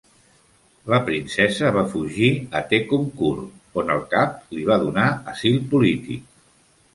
La princesa va fugir a Tekkumkur, on el cap li va donar asil polític.